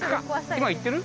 今いってる？